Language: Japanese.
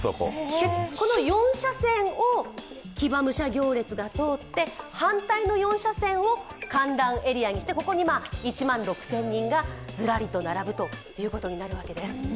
この４車線を騎馬武者行列が通って反対の４車線を観覧エリアにしてここに１万６０００人がずらりと並ぶことになるわけです。